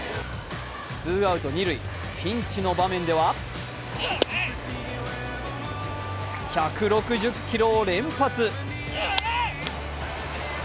ツーアウト二塁、ピンチの場面では１６０キロを連発。